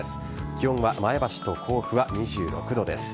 気温は前橋と甲府は２６度です。